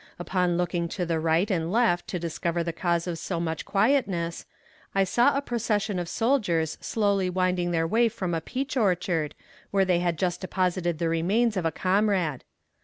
Upon looking to the right and left to discover the cause of so much quietness, I saw a procession of soldiers slowly winding their way from a peach orchard, where they had just deposited the remains of a comrade.